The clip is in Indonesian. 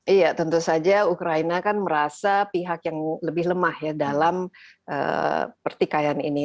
iya tentu saja ukraina kan merasa pihak yang lebih lemah ya dalam pertikaian ini